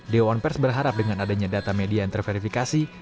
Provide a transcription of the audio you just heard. dewan pers berharap dengan adanya data media yang terverifikasi